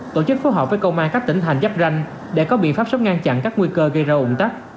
tổ chức phối hợp với công an các tỉnh thành giáp ranh để có biện pháp sống ngăn chặn các nguy cơ gây ra ủng tắc